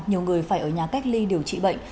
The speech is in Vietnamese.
nhiều người phải ở nhà cách ly điều trị bệnh